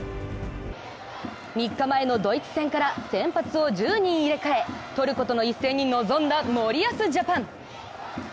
３日前のドイツ戦から先発を１０人入れ替え、トルコとの一戦に臨んだ森保ジャパン。